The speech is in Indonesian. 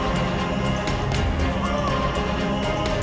tidak memiliki kesalahan untuk menamoyszikkan